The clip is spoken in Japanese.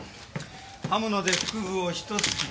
刃物で腹部をひと突きか。